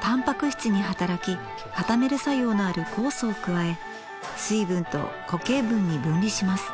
タンパク質に働き固める作用のある酵素を加え水分と固形分に分離します。